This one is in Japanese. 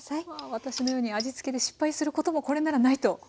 私のように味付けで失敗することもこれならないと。